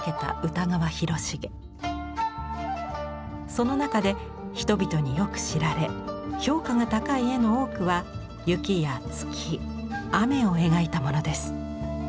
その中で人々によく知られ評価が高い絵の多くは雪や月雨を描いたものです。